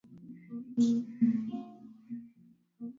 ni saa kumi na moja saa kumi na mbili na dakika